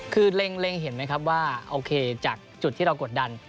คือเล็งเห็นไหมครับว่าโอเคจากจุดที่เรากดดัน